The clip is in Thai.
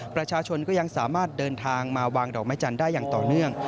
ประชาชนก็ยังสามารถเดินทางมาวางดอกไม้จันทร์ได้อย่างต่อเนื่อง